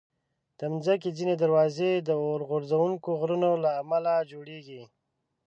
د مځکې ځینې دروازې د اورغورځونکو غرونو له امله جوړېږي.